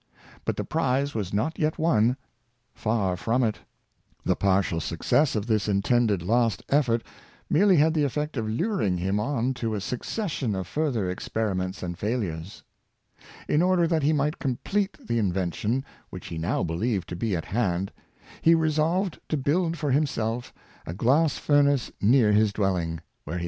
But the prize was not yet won — far from it. The partial success of this intended last effort merely had the effect of luring him on to a succession of fur ther experiments and failures. In order that he might complete the invention, which he now believed to be at hand, he resolved to build for himself a glass furnace near his dwelling, where he His Desperate Determination.